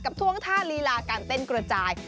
ท่วงท่าลีลาการเต้นกระจาย